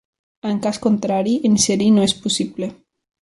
En cas contrari, inserir no és possible.